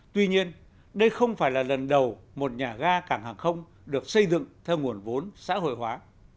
tuy nhiên đây không phải là lần đầu một nhà ga cảng hàng không được xây dựng theo nguồn vốn xã hội hóa